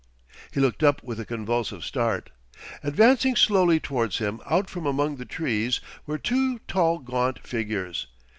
He looked up with a convulsive start. Advancing slowly towards him out from among the trees were two tall gaunt figures.